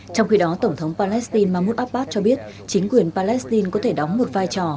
trong khi đó tổng thống palestine mahmoud abbas cho biết chính quyền palestine có thể đóng một vai trò